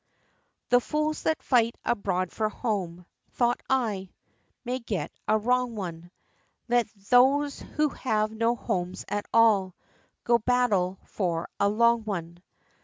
XII. "The fools that fight abroad for home," Thought I, "may get a wrong one; Let those who have no homes at all Go battle for a long one."